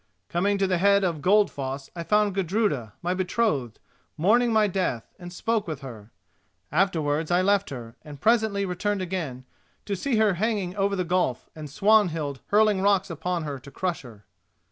Coming to the head of Goldfoss I found Gudruda, my betrothed, mourning my death, and spoke with her. Afterwards I left her, and presently returned again, to see her hanging over the gulf, and Swanhild hurling rocks upon her to crush her."